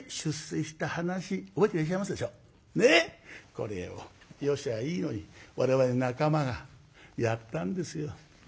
これをよしゃいいのに我々の仲間がやったんですよ。